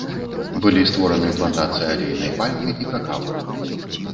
Былі створаны плантацыі алейнай пальмы і какава.